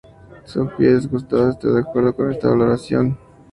Sofia, disgustada, está de acuerdo con esta valoración y lo asfixia hasta matarlo.